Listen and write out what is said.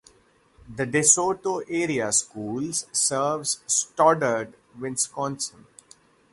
The De Soto Area Schools serves Stoddard, Wisconsin.